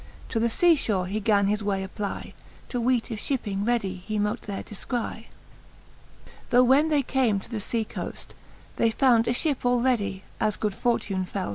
To the lea fhore he gan his way SEpply, To weete if (hipping readie he mote there de{cry. Tho when they came to the fea coaft, they found A fhip all readie, as good fortune fell.